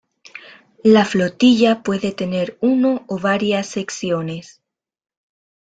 La Flotilla puede tener uno o varias Secciones.